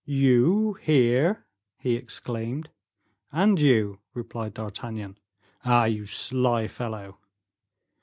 "You here?" he exclaimed. "And you?" replied D'Artagnan. "Ah, you sly fellow!"